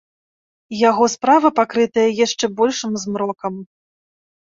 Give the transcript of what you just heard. Яго справа пакрытая яшчэ большым змрокам.